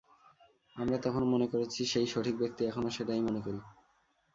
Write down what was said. আমরা তখনো মনে করেছি সে-ই সঠিক ব্যক্তি, এখনো সেটাই মনে করি।